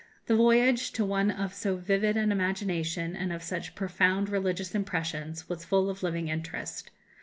The voyage, to one of so vivid an imagination and of such profound religious impressions, was full of living interest.